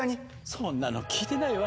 そんなの聞いてないわ。